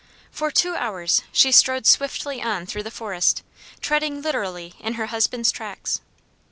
For two hours she strode swiftly on through the forest, treading literally in her husband's tracks.